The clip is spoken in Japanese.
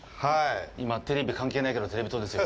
今、テレビ関係ないけどテレビ塔ですよ。